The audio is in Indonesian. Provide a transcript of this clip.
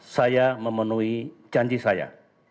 saya memenuhi janji saya